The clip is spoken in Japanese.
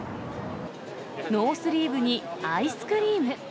ノースリーブにアイスクリーム。